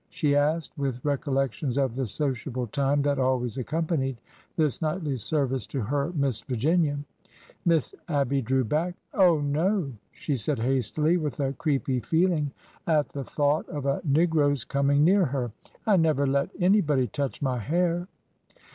she asked, with recollections of the sociable time that always accompanied this nightly service to her Miss Virginia. Miss Abby drew back. " Oh, no !" she said hastily, with a creepy feeling at the 26 WEIGHED IN THE BALANCE 27 thought of a negro's coming near her. I never let any body touch my hair."